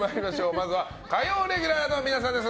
まずは火曜レギュラーの皆さんです。